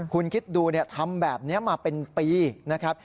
คุณคิดดูทำแบบนี้มาเป็นปีนะครับ